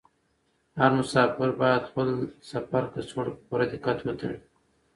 هر مسافر باید د خپل سفر کڅوړه په پوره دقت وتړي.